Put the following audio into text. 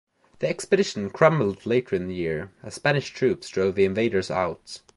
The expedition crumbled later in the year, as Spanish troops drove the invaders out.